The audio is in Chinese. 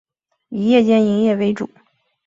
以夜间营业为主。